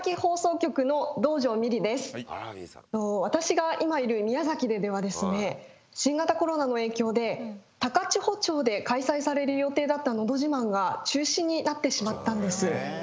私が今いる宮崎でではですね新型コロナの影響で高千穂町で開催される予定だった「のど自慢」が中止になってしまったんです。